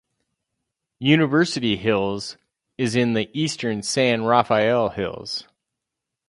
University Hills is in the eastern San Rafael Hills.